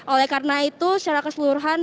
oleh karena itu secara keseluruhan